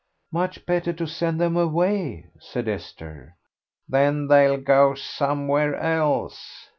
"Much better send them away," said Esther. "Then they'll go somewhere else."